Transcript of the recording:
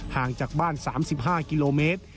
ห่างจากบ้าน๓๕กิโลเมตร